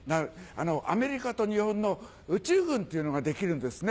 アメリカと日本の宇宙軍っていうのができるんですね。